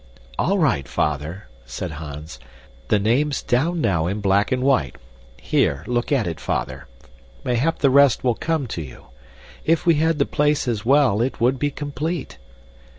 "All right, Father," said Hans, "the name's down now in black and white. Here, look at it, father; mayhap the rest will come to you. If we had the place as well, it would be complete!"